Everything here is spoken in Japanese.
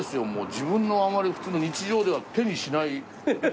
自分のあまり普通の日常では手にしない。